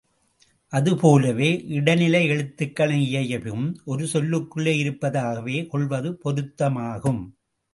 அதுபோலவே, இடைநிலை எழுத்துகளின் இயைபும் ஒரு சொல்லுக்குள்ளே இருப்பதாகவே கொள்வதே பொருத்தமாகும்.